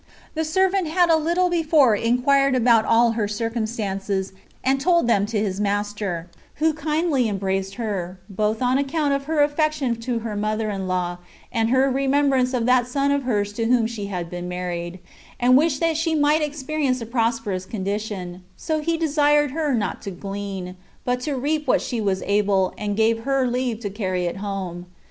The servant had a little before inquired about all her circumstances, and told them to his master, who kindly embraced her, both on account of her affection to her mother in law, and her remembrance of that son of hers to whom she had been married, and wished that she might experience a prosperous condition; so he desired her not to glean, but to reap what she was able, and gave her leave to carry it home.